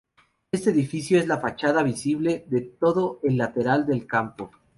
Este edificio es la fachada visible de todo el lateral del campo.